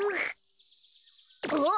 あっ！